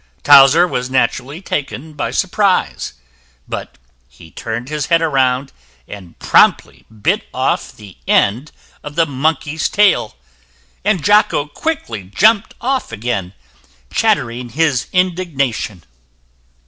Towser was naturally taken by surprise, but he turned his head around and promptly bit off the end of the monkey's tail, and Jocko quickly jumped off again, chattering his indignation.